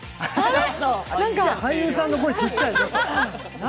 俳優さんの声、ちっちゃい、何？